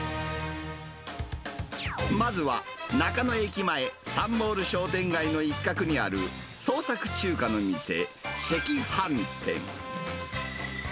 まずは、中野駅前、サンモール商店街の一角にある創作中華の店、関飯店。